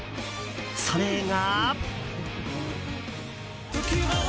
それが。